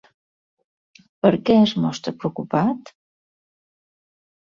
Per què es mostra preocupat?